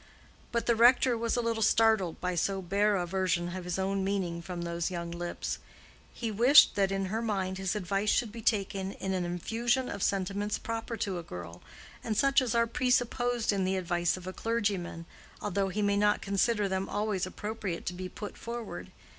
But the rector was a little startled by so bare a version of his own meaning from those young lips. He wished that in her mind his advice should be taken in an infusion of sentiments proper to a girl, and such as are presupposed in the advice of a clergyman, although he may not consider them always appropriate to be put forward.